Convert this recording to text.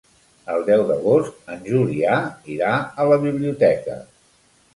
El deu d'agost en Julià irà a la biblioteca.